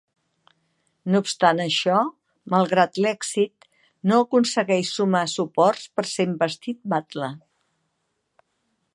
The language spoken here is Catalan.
No obstant això, malgrat l'èxit, no aconsegueix sumar suports per ser investit batle.